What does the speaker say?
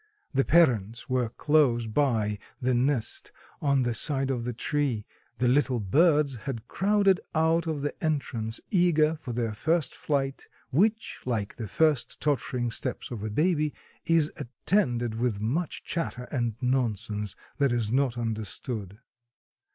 The parents were close by the nest on the side of the tree. The little birds had crowded out of the entrance, eager for their first flight, which, like the first tottering steps of a baby, is attended with much chatter and nonsense that is not understood.